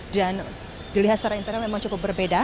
dan dilihat secara interior memang cukup berbeda